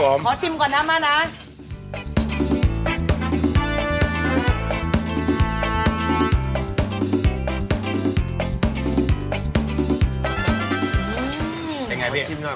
ห้อยเจาะ